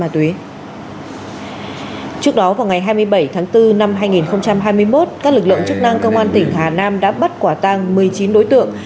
trước đó vào ngày hai mươi bảy tháng bốn năm hai nghìn hai mươi một các lực lượng chức năng công an tỉnh hà nam đã bắt quả tăng một mươi chín đối tượng